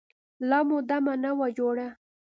لا مو دمه نه وه جوړه.